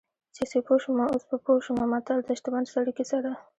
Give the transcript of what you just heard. چې سیپو شومه اوس په پوه شومه متل د شتمن سړي کیسه ده